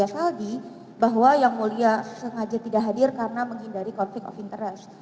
yang mulia saldi bahwa yang mulia sengaja tidak hadir karena menghindari conflict of interest